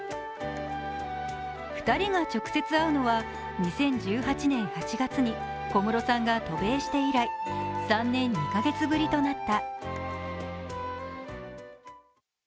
２人が直接会うのは２０１８年８月に小室さんが渡米して以来３年２カ月ぶりとなった。